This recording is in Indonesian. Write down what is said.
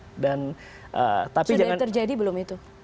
sudah terjadi belum itu